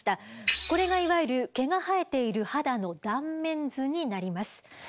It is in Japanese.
これがいわゆる毛が生えている肌の断面図になります。